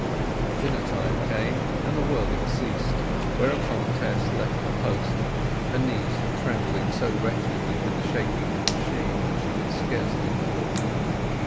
Dinner time came, and the whirling ceased; whereupon Tess left her post, her knees trembling so wretchedly with the shaking of the machine that she could scarcely walk.